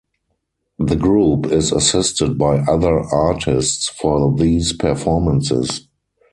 The group is assisted by other artists for these performances.